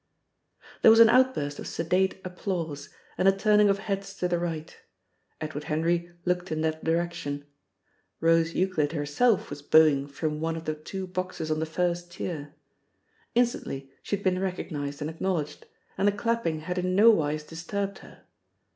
There was an outburst of sedate applause, and a turning of heads to the right. Edward Henry looked in that direction. Rose Euclid herself was bowing from one of the two boxes on the first tier. Instantly she had been recognised and acknowledged, and the clapping had in nowise disturbed her.